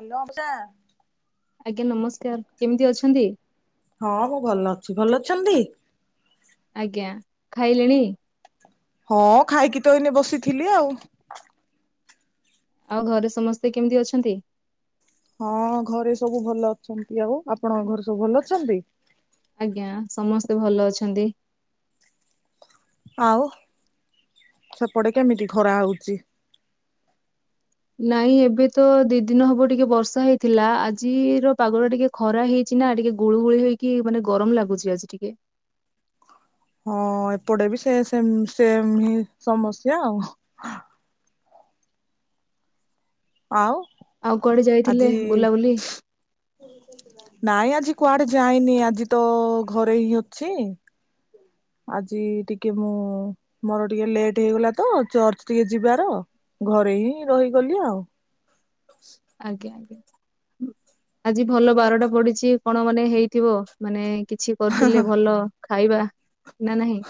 Hello ଅଚ୍ଛା ଆଜ୍ଞା ନମସ୍କାର କେମିତି ଅଛନ୍ତି? ହଁ ମୁଁ ଭଲ ଅଛି ଭଲ ଅଛନ୍ତି? ଆଜ୍ଞା ଖାଇଲେଣି? ହଁ ଖାଇକି ତ ଏଇନେ ବସିଥିଲି ଆଉ ଆଉ ଘରେ ସମସ୍ତେ କେମିତି ଅଛନ୍ତି? ହଁ ଘରେ ସବୁ ଭଲ ଅଛନ୍ତି ଆଉ ଆପଣଙ୍କ ଘରେ ସବୁ ଭଲ ଅଛନ୍ତି? ଆଜ୍ଞା ସମସ୍ତେ ଭଲ ଅଛନ୍ତି। ଆଉ ସେପଟେ କେମିତି ଖରା ହଉଛି? ନାଇଁ ଏବେ ତ ଦି ଦିନ ହବ ଟିକେ ବର୍ଷା ହେଇଥିଲା ଆଜିର ପାଗ ଟା ଟିକେ ଖରା ହେଇଛି ନା ଟିକେ ଗୋଳୁ ଗୋଳି ହେଇକି ମାନେ ଗରମ ଲାଗୁଛି ଆଜି ଟିକେ। ହଁ ଏପଟେ ବି ସେ ସେମ ହିଁ ସମସ୍ୟା ଆଉ। ଆଉ ଆଉ କୁଆଡେ ଯାଇଥିଲେ ଆଜି ବୁଲାବୁଲି? ନାଇଁ ଆଜି କୁଆଡେ ଯାଇନି ଆଜି ତ ଘରେ ହିଁ ଅଛି। ଆଜି ଟିକେ ମୁଁ ମୋର ଟିକେ ଲେଟ୍ ହେଇଗଲା ତ ଚର୍ଚ୍ଚ ଟିକେ ଯିବାର ଘରେ ହିଁ ରହିଗଲି ଆଉ। ଆଜ୍ଞା ଆଜ୍ଞା। ଆଜି ଭଲ ବାରଟା ପଡିଛି କଣ ମାନେ ହେଇଥିବ ମାନେ କିଛି କରିଥିଲେ ଭଲ ଖାଇବା ନା ନାହିଁ?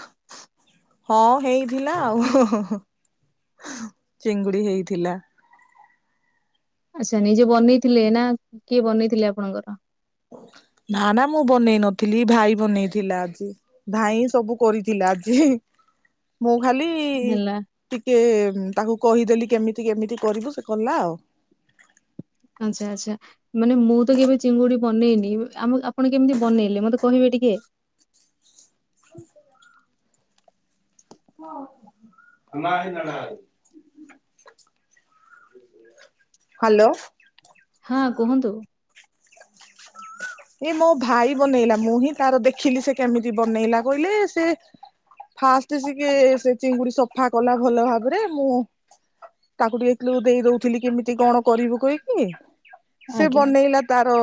ହଁ ହେଇଥିଲା ଆଉ ହଁ ହଁ ହଁ ଚିଙ୍ଗୁଡି ହେଇଥିଲା। ଆଚ୍ଛା ନିଜେ ବନେଇଥିଲେ ନା କିଏ ବନେଇଥିଲେ ଆପଣଙ୍କର? ନା ନା ମୁଁ ବନେଇ ନଥିଲି ଭାଇ ବନେଇଥିଲା ଆଜି। ଭାଇ ସବୁ କରିଥିଲା ଆଜି ମୁଁ ଖାଲି ହେଲା ଟିକେ ତାକୁ କହିଦେଲି କେମିତି କେମିତି କରିବୁ ସେ କଲା ଆଉ। ଆଚ୍ଛା ଆଚ୍ଛା। ମାନେ ମୁଁ ତ କେବେ ଚିଙ୍ଗୁଡି ବନେଇନି ଆମ ଆପଣ କେମିତି ବନେଇଲେ ମତେ କହିବେ ଟିକେ? [inaudible] [unintelligible] ହାଲୋ ହଁ କୁହନ୍ତୁ? [unintelligible] ଏ ମୋ ଭାଇ ବନେଇଲା ମୁଁ ହିଁ ତାର ଦେଖିଲି ସେ କେମିତି ବନେଇଲା କହିଲେ ସେ ଫାଷ୍ଟ ସିକେ ସେ ଚିଙ୍ଗୁଡି ସଫା କଲା ଭଲ ଭାବରେ ମୁଁ ତାକୁ ଟିକେ କ୍ଲୁ ଦେଇଦାଉଥିଲି କେମିତି କଣ କରିବୁ କହିକି ସେ ଆଜ୍ଞା ବନେଇଲା ତାର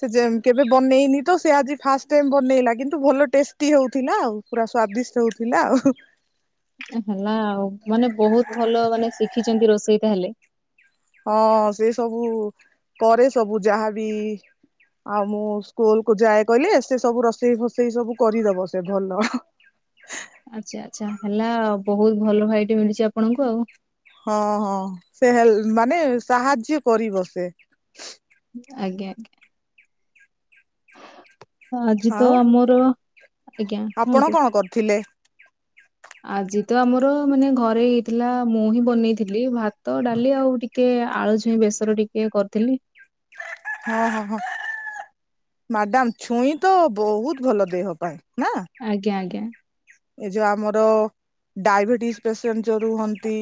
ସେ ଯେମ୍ କେବେ ବନେଇନି ତ ସେ ଆଜି ଫାଷ୍ଟ ଟାଇମ ବନେଇଲା କିନ୍ତୁ ଭଲ ଟେଷ୍ଟି ହଉଥିଲା ଆଉ ପୁରା ସ୍ଵାଦିଷ୍ଟ ହଉଥିଲା ଆଉ ହେଲା ଆଉ ମାନେ ବହୁତ ଭଲ ମାନେ ଶିଖିଛନ୍ତି ରୋଷେଇ ତାହେଲେ। ହଁ ସେ ସବୁ କରେ ସବୁ ଯାହାବି ଆଉ ମୁଁ ସ୍କୁଲ କୁ ଯାଏ କହିଲି ସେ ସବୁ ରୋଷେଇ ଫସେଇ ସବୁ କରିଦବ ସେ ଭଲ ଆଚ୍ଛା ଆଛା ହେଲା ଆଉ ବହୁତ ଭଲ ଭାଇଟି ମିଳିଛି ଆପଣଙ୍କୁ ଆଉ। ହଁ ହଁ ସେ ହେ ମାନେ ସାହାଯ୍ୟ କରିବ ସେ। ଆଜ୍ଞା ଆଜ୍ଞା ଆଜି ତ ଆଉ ମୋର ଆପଣ କଣ କରୁଥିଲେ? ଆଜି ତ ଆମର ମାନେ ଘରେ ହେଇଥିଲା ମୁଁ ହିଁ ବନେଇଥିଲି ଭାତ ଡାଲି ଆଉ ଟିକେ ଟିକେ ଆଳୁ ଛୁଇଁ ବେସର ଟିକେ କରିଥିଲି। ହ ହୋ ହୋ। ମାଡ଼ାମ ଛୁଇଁ ତ ବହୁତ ଭଲ ଦେହ ପାଇଁ ନା? ଆଜ୍ଞା ଆଜ୍ଞା। ଏ ଯୋଉ ଆମର ଡାଇବେଟିସ ପେସେଣ୍ଟ ଯୋଉ ରୁହନ୍ତି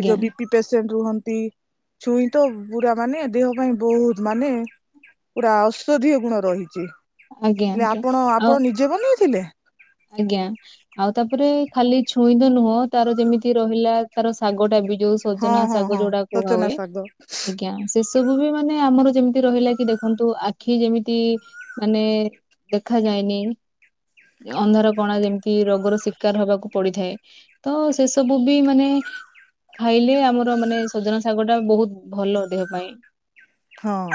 ଏ ଯୋଉ ବିପି ପେସେଣ୍ଟ ରୁହନ୍ତି ଛୁଇଁ ତ ପୁରା ମାନେ ଦେହ ପାଇଁ ବହୁତ ମାନେ ପୁରା ଔଷଧୀୟ ଗୁଣ ରହିଛି ଆଜ୍ଞା ହେଲେ ଆଜ୍ଞା। ଆପଣ ଆଉ ଆପଣ ନିଜେ ବନେଇଥିଲେ? ଆଜ୍ଞା ଆଉ ତାପରେ ଖାଲି ଛୁଇଁତ ନୁହଁ ତାର ଯେମିତି ରହିଲା ତାର ଶାଗ ଟା ବି ଯୋଉ ହଁ ସଜନା ହଁ ଶାଗ ହଁ ଯୋଉଟା କୁହା ସଜନା ହୁଏ। ଶାଗ ଆଜ୍ଞା ସେ ସବୁ ବି ମାନେ ଆମର ଯେମିତି ରହିଲା କି ଦେଖନ୍ତୁ ଆଖି ଯେମିତି ମାନେ ଦେଖାଯାଏନି ଅନ୍ଧାର କଣା ଯେମିତି ରୋଗର ଶିକାର ହବାକୁ ପଡିଥାଏ। ତ ସେ ସବୁ ବି ମାନେ ଖାଇଲେ ଆମର ମାନେ ସଜନା ଶାଗଟା ବହୁତ ଭଲ ଦେହ ପାଇଁ। ହଁ।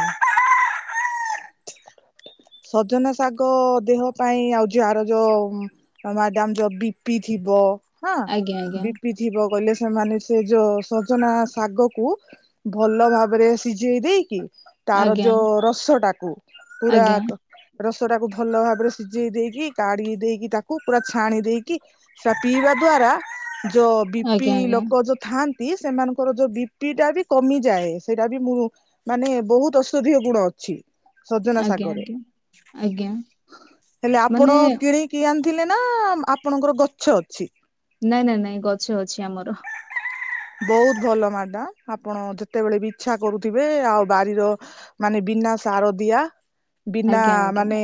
ସଜନା ଶାଗ ଦେହ ପାଇଁ ଆଉ ଯଆର ଯୋଉ ଅ ମାଡାମ ଯୋଉ ବିପି ଥିବ ହଁ ଆଜ୍ଞା ଆଜ୍ଞା ବିପି ଥିବ ବୋଇଲେ ସେମାନେ ସେ ଯୋଉ ସଜନା ଶାଗକୁ ଭଲ ଭାବରେ ସିଝେଇ ଦେଇକି ତାର ଆଜ୍ଞା ଯୋଉ ରସ ଟାକୁ ପୁରା ଆଜ୍ଞା ରସଟାକୁ ଭଲ ଭାବରେ ସିଝେଇ ଦେଇକି କାଢ଼ି ଦେଇକି ତାକୁ ପୁରା ଛାଣି ଦେଇକି ସେଇଟା ପିଇବା ଦ୍ଵାରା ଯୋଉ ବିପି ଆଜ୍ଞା ଆଜ୍ଞା ଲୋକ ଯଉ ଥାଆନ୍ତି ସେମାନଙ୍କର ଯୋଉ ବିପି ଟା ବି କମିଯାଏ ସେଇଟା ବି ମୁଁ ମାନେ ବହୁତ ଔଷଧୀୟ ଗୁଣ ଅଛି ସଜନା ଆଜ୍ଞା ସାଗରେ। ଆଜ୍ଞା ଆଜ୍ଞା। ହେଲେ ମାନେ ଆପଣ କି କିଣିକି ଆଣିଥିଲେ ନା ଆପଣଙ୍କର ଗଛ ଅଛି? ନାଇଁ ନାଇଁ ନାଇଁ ଗଛ ଅଛି ଆମର। ବହୁତ ଭଲ ମାଡାମ ଆପଣ ଯେତେବେଳେ ବି ଇଚ୍ଛା କରୁଥିବେ ଆଉ ବାରିର ମାନେ ବିନା ସାରଦିଆ ବିନା ଆଜ୍ଞା ଆଜ୍ଞା। ମାନେ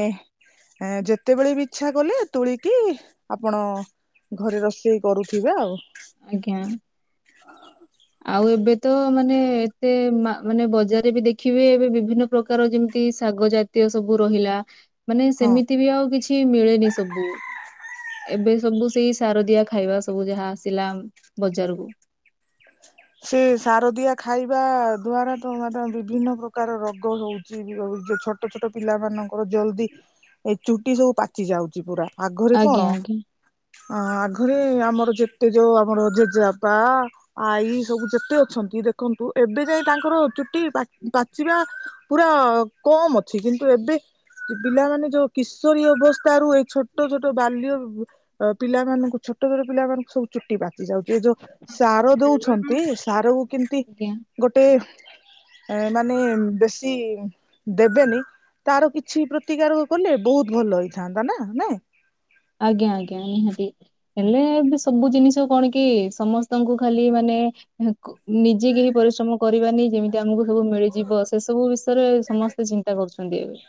ଏଁ ଯେତେବେଳେ ବି ଇଚ୍ଛା କଲେ ତୋଳିକି ଆପଣ ଘରେ ରୋଷେଇ କରୁଥିବେ ଆଉ। ଆଜ୍ଞା। ହଁ। ଆଉ ଏବେ ତ ମାନେ ଏତେ ମାନେ ବଜାରରେ ବି ଦେଖିବେ ଏବେ ବିଭିନ୍ନ ପ୍ରକାର ଯେମିତି ଶାଗ ଜାତୀୟ ସବୁ ରହିଲା ମାନେ ହଁ। ସେମିତି ବି ଆଉ କିଛି ମିଳେନି ସବୁ। ଏବେ ସବୁ ସେଇ ସାରଦିଆ ଖାଇବା ସବୁ ଯାହା ଆସିଲା ବଜାରକୁ। ସେ ସାରଦିଆ ଖାଇବା ଦ୍ଵାରା ତ ମ ବିଭିନ୍ନ ପ୍ରକାର ରୋଗ ହଉଚି ହଉଚି ଛୋଟ ଛୋଟ ଛୋଟ ପିଲାମାନଙ୍କର ଜଲ୍ଦି ଏ ଚୁଟି ସବୁ ପାଚି ଯାଉଛି ପୁରା। ଆଗରେ ଆଜ୍ଞା କଣ? ଆଜ୍ଞା। ଅ ଆଗରେ ଆମର ଯେତେ ଯୋଉ ଆମର ଜେଜେବାପା, ଆଈ ସବୁ ଯେତେ ଅଛନ୍ତି ଦେଖନ୍ତୁ ଏବେ ଯାଇ ତାଙ୍କର ଚୁଟି ପାଚିବା ପୁରା କମ ଅଛି। କିନ୍ତୁ, ଏବେ ପିଲାମାନେ ଯୋଉ କିଶୋରୀୟ ଅବସ୍ଥାରୁ ଏଇ ଛୋଟ ଛୋଟ ଛୋଟ ବାଲ୍ୟ ପିଲାମାନଙ୍କୁ ଛୋଟ ଛୋଟ ପିଲାମାନଙ୍କୁ ସବୁ ଚୁଟି ପାଚି ଯାଉଛି ଏ ଯୋଉ। ସାର ଦଉଛନ୍ତି ସାରକୁ କେମତି ଗୋଟେ ଏ ମାନେ ବେଶୀ ଦେବେନି। ତାର କିଛି ପ୍ରତିକାର କଲେ ବହୁତ ଭଲ ହେଇଥାନ୍ତା ନା ନା। ଆଜ୍ଞା ଆଜ୍ଞା ନିହାତି। ହେଲେ ଏବେ ସବୁ ଜିନିଷ କଣ କି ସମସ୍ତଙ୍କୁ ଖାଲି ମାନେ ୟାଙ୍କୁ, ନିଜେ କେହି ପରିଶ୍ରମ କରିବାନି ଯେମିତି ଆମକୁ ସବୁ ମିଳିଯିବ। ସେ ସବୁ ବିଷୟରେ ସମସ୍ତେ ଚିନ୍ତା କରୁଛନ୍ତି ଏବେ।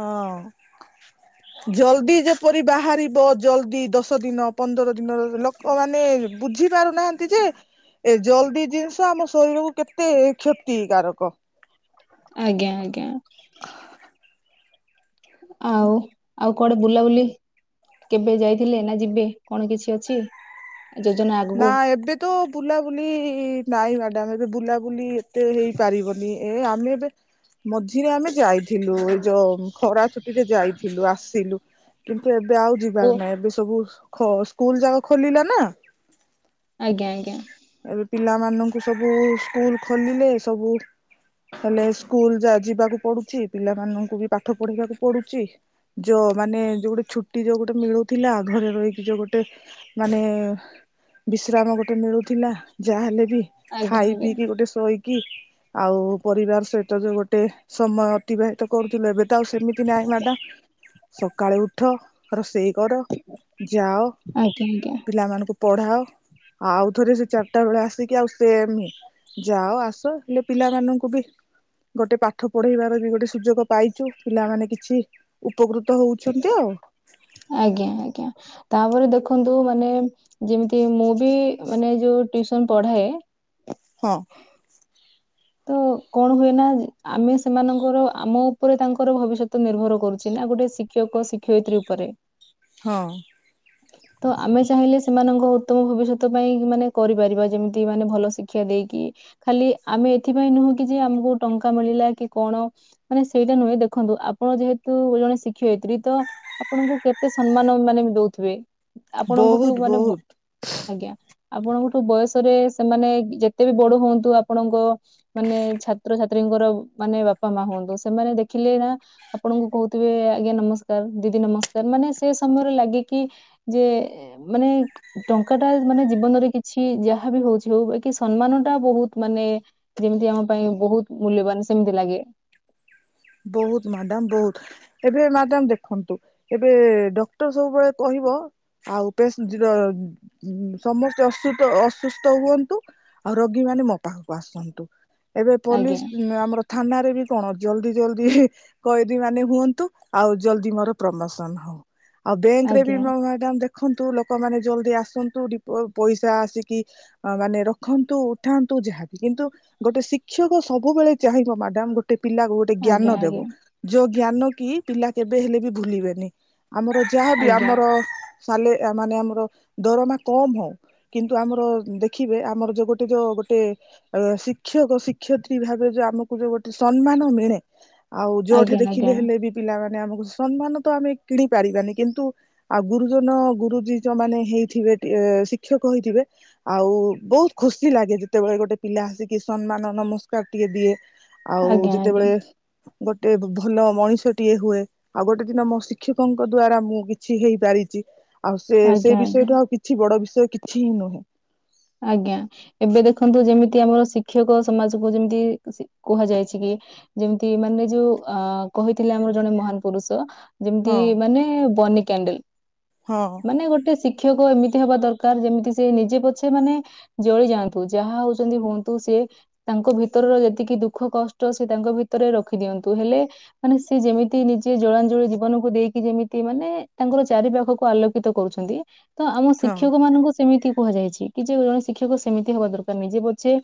ହଁ। ଜଲ୍ଦି ଯେପରି ବାହାରିବ ଜଲ୍ଦି ଦଶ ଦିନ ପନ୍ଦର ଦିନର। [unintelligible] ମାନେ ବୁଝି ପାରୁନାହାନ୍ତି ଯେ ଏ ଜଲଦି ଜିନିଷ ଆମ ଶରୀରକୁ କେତେ କ୍ଷତିକାରକ। ଆଜ୍ଞା ଆଜ୍ଞା। ଆଉ ଆଉ କୁଆଡେ ବୁଲାବୁଲି କେବେ ଯାଇଥିଲେ ନା ଯିବେ କଣ କିଛି ଅଛି? ଯୋଜନା ଆଗକୁ ନା ଏବେ ତ ବୁଲାବୁଲି ନାଇଁ ମ୍ୟାଡ଼ାମ। ଏବେ ବୁଲାବୁଲି ଏତେ ହେଇପାରିବନି। ଏ ଆମେ ଏବେ, ମଝିରେ ଆମେ ଯାଇଥିଲୁ। ଯୋଉ ଖରା ଛୁଟିରେ ଯାଇଥିଲୁ ଆସିଲୁ। କିନ୍ତୁ ଏବେ ଆଉ ଓ ଯିବାର ନାହିଁ। ଏବେ ସବୁ ଖ ସ୍କୁଲ ଯାକ ଖୋଲିଲା ନା। ଆଜ୍ଞା ଆଜ୍ଞା। ଏବେ ପିଲାମାନଙ୍କୁ ସବୁ ସ୍କୁଲ ଖୋଲିଲେ ସବୁ ହେଲେ ସ୍କୁଲ ଯା ଯିବାକୁ ପଡୁଛି। ପିଲାମାନଙ୍କୁ ବି ପାଠ ପଢେଇବାକୁ ପଡୁଚି। ଯ ମାନେ ଯୋଉ ଗୋଟେ ଛୁଟି ଯୋଉ ଗୋଟେ ମିଳୁଥିଲା ଘରେ ରହିକି ଯୋଉ ଗୋଟେ ମାନେ ବିଶ୍ରାମ ଗୋଟେ ମିଳୁ ଥିଲା ଯାହା ହେଲେ ବି। ଆଜ୍ଞା ଖାଇ ଆଜ୍ଞା ପିଇକି ଗୋଟେ ଶୋଇ କି, ଆଉ ପରିବାର ସହିତ ଯୋଉ ଗୋଟେ ସମୟ ଅତିବାହି ତ କରୁଥିଲେ, ଏବେ ତ ଆଉ ସେମିତି ନାହିଁ ମ୍ୟାଡ଼ାମ। ସକାଳୁ ଉଠ ରୋଷେଇ କର। ଯାଅ, ଆଜ୍ଞା ଆଜ୍ଞା ପିଲାମାନଙ୍କୁ ପଢ଼ାଅ। ଆଉ ଥରେ ସେ ଚାରିଟା ବେଳେ ଆସିକି ଆଉ ସେମ୍ ଯାଅ ଆସ ହେଲେ ପିଲାମାନଙ୍କୁ ବି ଗୋଟେ ପାଠ ପଢେଇବାର ବି ଗୋଟେ ସୁଯୋଗ ପାଇଚୁ। ପିଲାମାନେ କିଛି ଉପକୃତ ହଉଛନ୍ତି ଆଉ। ଆଜ୍ଞା ଆଜ୍ଞା। ତାପରେ ଦେଖନ୍ତୁ ମାନେ ଯେମିତି ମୁଁ ବି ମାନେ ଯୋଉ ଟ୍ୟୁସନ ପଢାଏ ହଁ। ତ କଣ ହୁଏ ନା ଆମେ ସେମାନଙ୍କର ଆମ ଉପରେ ତାଙ୍କର ଭବିଷ୍ୟତ ନିର୍ଭର କରୁଚି ନା, ଗୋଟେ ଶି ଶିକ୍ଷକ ଶିକ୍ଷୟିତ୍ରୀ ଉପରେ। ହଁ। ତ ଆମେ ଚାହିଁଲେ ସେମାନଙ୍କ ଉତ୍ତମ ଭବିଷ୍ୟତ ପାଇଁ ମାନେ କରିପାରିବା, ଯେମିତି ମାନେ ଭଲ ଶିକ୍ଷା ଦେଇକି ଖାଲି ଆମେ ଏଥିପାଇଁ ନୁହଁ କି ଯେ ଆମକୁ ଟଙ୍କା ମିଳିଲା କି କଣ ମାନେ ସେଇଟା ନୁହେଁ ଦେଖନ୍ତୁ ଆପଣ ଯେହେତୁ ଜଣେ ଶିକ୍ଷୟିତ୍ରୀ। ତ ଆପଣଙ୍କୁ କେତେ ସମ୍ମାନ ମାନେ ବି ଦଉଥିବେ। ଆପଣଙ୍କଠୁ ବହୁତ ମାନେ ବ ବହୁତ ଆଜ୍ଞା। ଆପଣଙ୍କଠୁ ବୟସରେ ସେମାନେ ଯେତେ ବି ବଡ ହୁଅନ୍ତୁ ଆପଣଙ୍କ ମାନେ ଛାତ୍ରଛାତ୍ରୀଙ୍କର ମାନେ ବାପା ମା ହୁଅନ୍ତୁ, ସେମାନେ ଦେଖିଲେ ନା ଆପଣଙ୍କୁ କହୁଥିବେ ଆଜ୍ଞା ନମସ୍କାର ଦିଦି ନମସ୍କାର। ମାନେ ସେ ସମୟରେ ଲାଗେ କି ଯେ ମାନେ ଟଙ୍କା ଟା ମାନେ ଜୀବନରେ କିଛି ଯାହା ବି ହଉଚି ହଉ ବାକି ସମ୍ମାନ ଟା ବହୁତ ମାନେ ଯେମିତି ଆମ ପାଇଁ ବହୁତ୍ ମୂଲ୍ୟବାନ ସେମିତି ଲାଗେ। ବହୁତ୍ ମାଡ଼ାମ ବହୁତ୍। ଏବେ ମ୍ୟାଡ଼ାମ ଦେଖନ୍ତୁ, ଏବେ ଡକ୍ଟର ସବୁବେଳେ କହିବ ଆଉ [unintelligible] ସମସ୍ତେ ଅସୁଥ ଅସୁସ୍ଥ ହୁଅନ୍ତୁ ଆଉ ରୋଗୀ ମାନେ ମୋ ପାଖକୁ ଆସନ୍ତୁ। ଏବେ ଆଜ୍ଞା ପୋଲିସ୍ ଆମର ଥାନାରେ ବି କଣ ଜଲଦି ଜଲଦି ଦି କଏଦୀ ମାନେ ହୁଅନ୍ତୁ ଆଉ ଜଲଦି ମୋର ପ୍ରମୋସନ ହଉ। ଆଉ ବ୍ୟାଙ୍କରେ ବି ଆଜ୍ଞା ମୋ ମ୍ୟାଡାମ ଦେ ଦେଖନ୍ତୁ ଲୋକମାନେ ଜଲଦି ଆସନ୍ତୁ ଡିପୋ ପଇସା ଆସିକି ଅ ମାନେ ରଖନ୍ତୁ ଉଠାନ୍ତୁ ଯାହାବି କିନ୍ତୁ ଗୋଟେ ଶିକ୍ଷକ ସବୁବେଳେ ଚାହିଁବ ମ୍ୟାଡାମ ଗୋଟେ ପିଲାକୁ ଗୋଟେ ଜ୍ଞାନ ଆଜ୍ଞା ଦେବ ଯୋଉ ଜ୍ଞାନ କି ପିଲା କେବେ ହେଲେ ବି ଭୁଲିବେନି ଆମର ଯାହାବି ଆଜ୍ଞା ଆମର ସାଲେ ମାନେ ଆମର ଦରମା କମ ହଉ କିନ୍ତୁ ଆମର ଦେଖିବେ ଆମର ଯୋଉ ଗୋଟେ ଯୋଉ ଗୋଟେ ଆ ଶିକ୍ଷକ ଶିକ୍ଷୟତ୍ରୀ ଭାବେ ଯୋଉ ଆମକୁ ଯୋଉ ଗୋଟେ ସମ୍ମାନ ମିଳେ ଆଉ ଯୋଉଠି ଆଜ୍ଞା ଆଜ୍ଞା ଦେଖିଲେ ହେଲେ ବି ପିଲାମାନେ ଆମକୁ ସମ୍ମାନ ତ ଆମେ କିଣି ପାରିବାନି କିନ୍ତୁ ଆଉ ଗୁରୁଜନ ଗୁରୁଜୀ ଯୋଉ ମାନେ ହେଇଥିବେ ଶିକ୍ଷକ ହେଇଥିବେ ଆଉ ବହୁତ ଖୁସି ଲାଗେ ଯେତେବେଳେ ଗୋଟେ ପିଲା ଆସିକି ସମ୍ମାନ ନମସ୍କାର ଟିକେ ଦିଏ ଆଉ ଆଜ୍ଞା ଆଜ୍ଞା ଆଜ୍ଞା ଯେତେବେଳେ ଗୋଟେ ଭଲ ମଣିଷଟିଏ ହୁଏ ଆଉ ଗୋଟେ ଦିନ ମୋ ଶିକ୍ଷକଙ୍କ ଦ୍ଵାରା ମୁଁ କିଛି ହେଇପାରିଛି। ଆଉ ସେ ସେ ଆଜ୍ଞା ଆଜ୍ଞା ବିଷୟଠୁ ଆଉ କିଛି ବଡ ବିଷୟ କିଛି ହିଁ ନୁହେଁ। ଆଜ୍ଞା। ଏବେ ଦେଖନ୍ତୁ ଯେମିତି ଆମର ଶିକ୍ଷକ ସମାଜକୁ ଯେମିତି କୁହାଯାଇଛି କି ଯେମିତି ମାନେ ଯୋଉ ଅ କହିଥିଲେ ଆମର ଜଣେ ମହାନ ପୁରୁଷ ଯେମିତି ହଁ ମାନେ ବନି କ୍ୟାଣ୍ଡେଲ ହଁ। ମାନେ ଗୋଟେ ଶିକ୍ଷକ ଏମିତି ହବା ଦରକାର ଯେମିତି ସେ ନିଜେପଛେ ସେମାନେ ଜଳି ଯାଆନ୍ତୁ ଯାହା ହଉଛନ୍ତି ହୁଅନ୍ତୁ ସିଏ ତାଙ୍କ ଭିତରର ଯେତିକି ଦୁଃଖ କଷ୍ଟ ସେ ତାଙ୍କ ଭିତରେ ରଖିଦିଅନ୍ତୁ ହେଲେ ମାନେ ସି ଯେମିତି ନିଜେ ଜଳାଞ୍ଜଳି ଜୀବନକୁ ଦେଇକି ଯେମିତି ମାନେ ତାଙ୍କର ଚାରି ପାଖକୁ ଆଲୋକ କିତ କରୁଛନ୍ତି ତ ଆମ ହଁ ଶିକ୍ଷକ ମାନଙ୍କୁ ସେମିତି କୁହାଯାଇଛି କିଛି ଜଣେ ଶିକ୍ଷକ ସେମିତି ହବା ଦରକାର ନାହିଁ ନିଜେ ପଛେ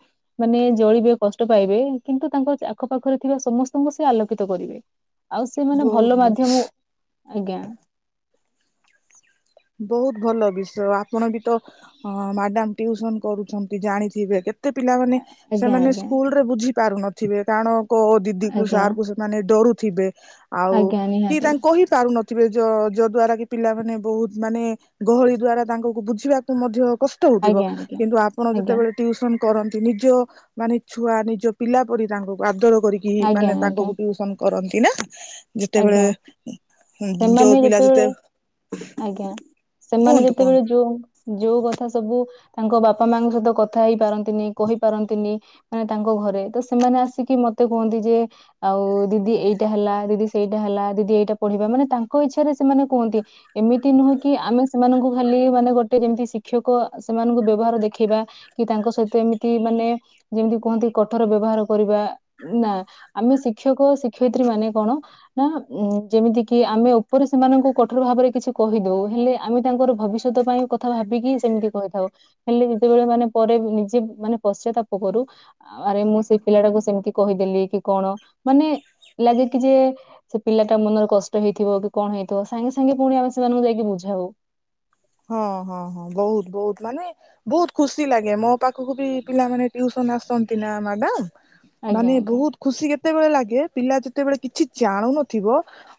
ମାନେ ଜଳିବେ କଷ୍ଟ ପାଇବେ କିନ୍ତୁ ତାଙ୍କ ଆଖପାଖରେ ଥିବା ସମସ୍ତଙ୍କୁ ସେ ଆଲୋକିତ କରିବେ। [inaudible] ଆଉ ସେମାନେ ବହୁତ ଭଲ ବହୁତ ମାଧ୍ୟମ ଆଜ୍ଞା। ବହୁତ ଭଲ ବିଷୟ ଆପଣ ବି ତ ମ୍ୟାଡାମ ଟିଉସନ କରୁଛନ୍ତି ଜାଣିଥିବେ କେତେ ତେ ପିଲାମାନେ ଆଜ୍ଞା ସେମାନେ ଆଜ୍ଞା ସ୍କୁଲ ରେ ବୁଝି ପାରୁନଥିବେ କାରଣ କୋ ଦିଦି କୁ ଆଜ୍ଞା ସାର୍ କୁ ମାନେ ଡରୁଥିବେ ଆଉ ଆଜ୍ଞା କି ନିହାତି ତାଙ୍କ କହିପାରୁନଥିବେ ଯ ଯ ଦ୍ଵାରା କି ପିଲାମାନେ ବହୁତ ମାନେ ଗହଳି ଦ୍ଵାରା ତାଙ୍କୁକୁ ବୁଝିବାକୁ ମଧ୍ୟ କଷ୍ଟ ହଉଥିବ ଆଜ୍ଞା ଆଜ୍ଞା କିନ୍ତୁ ଆପଣ ଆଜ୍ଞା ଯେତେବେଳେ ଟୁସନ କରନ୍ତି ନିଜ ମାନେ ଛୁଆ ନିଜ ପିଲା ପରି ତାଙ୍କୁ ଆଦର କରି କି ଆଜ୍ଞା ମାନେ ତାଙ୍କ ଆଜ୍ଞା ଟ୍ୟୁସନ କରନ୍ତି ନା ଯେତେବେଳେ ଆଜ୍ଞା ଯୋଉ ସେମାନେ ପିଲା ଯେତେ ଯେତେବେଳେ ଆଜ୍ଞା ସେମାନେ କୁହନ୍ତୁ କୁହନ୍ତୁ। ଯେତେବେଳେ ଯୋଉ ଯୋଉ କଥା ସବୁ ତାଙ୍କ ବାପା ମାଙ୍କ ସହିତ କଥା ହେଇପାରନ୍ତି ତିନି କହିପାରନ୍ତିନି ମାନେ ତାଙ୍କ ଘରେ ତ ସେମାନେ ଆସିକି ମତେ କୁହନ୍ତି ଯେ ଆଉ ଦିଦି ଏଇଟା ହେଲା ଦିଦି ସେଇଟା ହେଲା ଦିଦି ଏଇଟା ପଢିବା ମାନେ ତାଙ୍କ ଇଚ୍ଛାରେ ସେମାନେ କୁହନ୍ତି। ଏମିତି ନୁହେଁ କି ଆମେ ସେମାନଙ୍କୁ ଖାଲି ମାନେ ଗୋଟେ ଯେମିତି ଶିକ୍ଷକ ସେମାନଙ୍କୁ ବ୍ୟବହାର ଦେଖେଇବା କି ତାଙ୍କ ସହିତ ଏମିତି ମାନେ ଯେମିତି କୁହନ୍ତି କଠୋର ବ୍ୟବହାର କରିବା ନା ଆମେ ଶିକ୍ଷକ ଶିକ୍ଷୟିତ୍ରୀ ମାନେ କଣ ନା ଯେମିତି କି ଆମେ ଉପରେ ସେମାନଙ୍କୁ କଠୋର ଭାବରେ କିଛି କହିଦଉ ହେଲେ ଆମେ ତାଙ୍କର ଭବିଷ୍ୟତ ପାଇଁ କଥା ଭାବିକି ସେମିତି କହିଥାଉ ହେଲେ ଯେତେବେଳେ ମାନେ ପରେ ନିଜେ ମାନେ ପଚ୍ୟାତାପ କରୁ ଆରେ ମୁଁ ସେଇ ପିଲା ଟାକୁ ସେମିତି କହିଦେଲି କି କଣ ମାନେ ଲାଗେ କି ଯେ ସେ ପିଲା ଟା ମନରେ କଷ୍ଟ ହେଇଥିବ କି କଣ ହେଇଥିବ ସାଙ୍ଗେ ସାଙ୍ଗେ ପୁଣି ଆମେ ସେମାନଙ୍କୁ ଯାଇକି ବୁଝାଉ। ହଁ ହଁ ହଁ ବହୁତ ବହୁତ ମାନେ ବହୁତ ଖୁସି ଲାଗେ ମୋ ପାଖକୁ ବି ପିଲାମାନେ ଟୁସନ ଆସନ୍ତି ନା ମ୍ୟାଡାମ ଆଜ୍ଞା ମାନେ ଆଜ୍ଞା ବହୁତ ଖୁସି କେତେବେଳେ ଲାଗେ ପିଲା ଯେତେବେଳେ କିଛି ଜାଣୁ ନଥିବ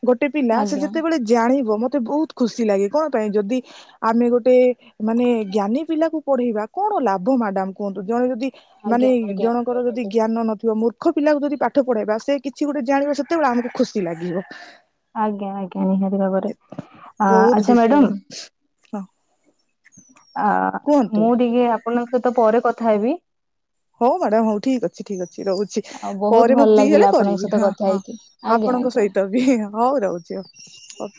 ଗୋଟେ ପିଲା ସେ ଆଜ୍ଞା ଯେତେବେଳେ ଜାଣିବ ମତେ ବହୁତ ଖୁସି ଲାଗେ କଣ ପାଇଁ ଯଦି ଆମେ ଗୋଟେ ମାନେ ଜ୍ଞାନୀ ପିଲାକୁ ପଢେଇବା କଣ ଲାଭ ମ୍ୟାଡାମ କୁହନ୍ତୁ ଜଣେ ଯଦି ଆଜ୍ଞା ମାନେ ଆଜ୍ଞା ଜଣ‌ ଙ୍କର ଯଦି ନିହାତି ଜ୍ଞାନ ନଥିବ ମୂର୍ଖ ପିଲାକୁ ଯଦି ପାଠ ପଢ଼ାଇବା, ସେ କିଛି ଗୋଟେ ଜାଣିବା ସେତେବେଳେ ଆମକୁ ଖୁସି ଲାଗିବ। ହଁ। ଆଜ୍ଞା ଆଜ୍ଞା ନିହାତି ଭାବରେ, ବହୁତ ଆଚ୍ଛା ବିଷୟ ମ୍ୟାଡାମ ହଁ। ଆ କୁହନ୍ତୁ ମୁଁ ଟିକେ ଆପଣଙ୍କ ସହିତ ପରେ କଥା ହେବି। ହଉ ମ୍ୟାଡାମ୍ ହଉ ଠିକ୍ ଅଛି, ଠିକ୍ ଅଛି ରହୁଛି। ଆଉ ବହୁତ ପରେ ମୁଁ ଭଲ ଫ୍ରି ହେଲେ ଲାଗିଲା ଆପଣଙ୍କ କରିବି, ସହିତ କଥା ହଁ- ହଁ ହେଇକି ଆଜ୍ଞା ଆପଣଙ୍କ ଆଜ୍ଞା ସହିତ ହଉ ରହୁଛି ହଉ।